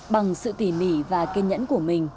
bằng sự tỉ mỉ và kiên nhẫn của mình